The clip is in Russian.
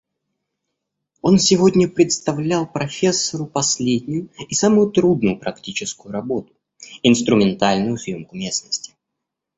Он сегодня представлял профессору последнюю и самую трудную практическую работу — инструментальную съемку местности...